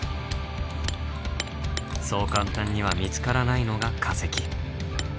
そう簡単には見つからないのが化石。